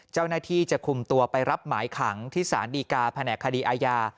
เจ้าหน้าที่จะคุมตัวไปรับหมายขังที่สารดีกาแผนกคดีอาญา